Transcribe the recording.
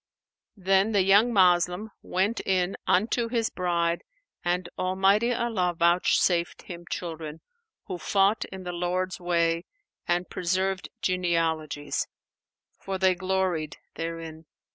Then the young Moslem went in unto his bride and Almighty Allah vouchsafed him children, who fought in the Lord's way and preserved genealogies, for they gloried therein.